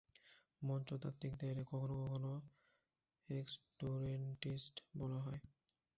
মঞ্চ তাত্ত্বিকদের কখনও কখনও "এক্সডোরেন্টিস্ট" বলা হয়।